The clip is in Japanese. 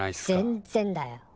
全っ然だよ。